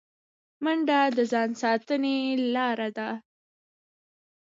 منډه د ځان ساتنې لاره ده